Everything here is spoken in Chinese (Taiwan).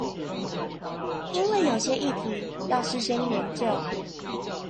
因為有些議題要事先研究